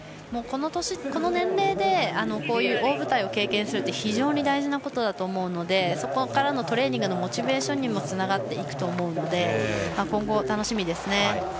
この年齢で大舞台を経験するって非常に大事なことだと思うのでそこからのトレーニングのモチベーションにもつながっていくと思うので今後が楽しみですね。